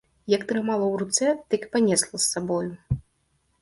Як трымала ў руцэ, так і панесла з сабою.